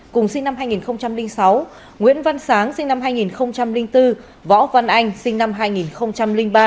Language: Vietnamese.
cùng sinh năm hai nghìn sáu nguyễn văn sáng sinh năm hai nghìn bốn võ văn anh sinh năm hai nghìn ba